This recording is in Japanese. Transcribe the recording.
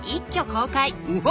うわ！